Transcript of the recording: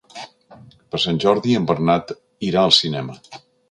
Per Sant Jordi en Bernat irà al cinema.